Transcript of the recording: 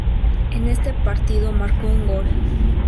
En ese partido marcó un gol.